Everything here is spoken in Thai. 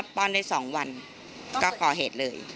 ป้อนได้๒วันก็ก่อเหตุเลย